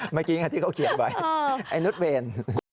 เมื่อกี้ที่เขาเขียนบ่อย